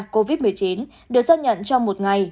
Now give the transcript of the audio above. covid một mươi chín được xác nhận trong một ngày